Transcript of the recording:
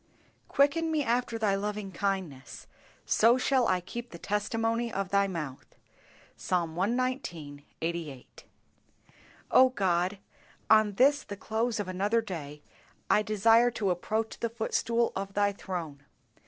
"Quicken me after Thy loving kindness, so shall I keep the testimony of Thy mouth." Psalm cxix. 88. O God, on this the close of another day, I desire to approach the footstool of Thy throne.